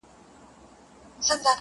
په لكونو وه راغلي عالمونه٫